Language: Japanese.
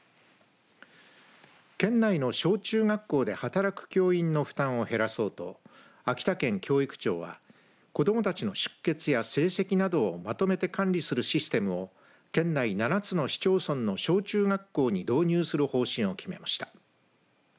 県内の小中学校で働く教員の負担を減らそうと秋田県教育庁は子どもたちの出欠や成績などをまとめて管理するシステムを県内７つの市町村の小中学校に導入する方針を決めました。